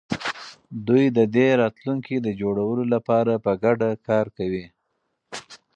دوی د دې راتلونکي د جوړولو لپاره په ګډه کار کوي.